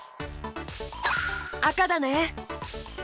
あかだね。